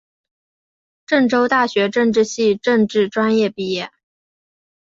郑州大学政治系政治专业毕业。